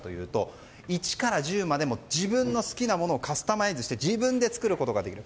１から１０まで自分の好きなものをカスタマイズして自分で作ることができる。